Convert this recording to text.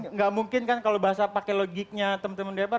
nggak mungkin kan kalau bahasa pakai logiknya teman teman dpr